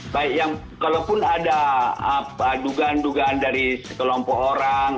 baik yang kalaupun ada dugaan dugaan dari sekelompok orang